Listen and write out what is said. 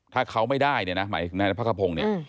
ถ้าเขาไม่ได้เนี่ยนะหมายถึงนายพระขพงศ์เนี่ย